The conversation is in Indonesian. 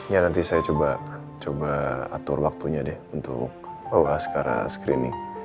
ya nanti saya coba atur waktunya deh untuk screening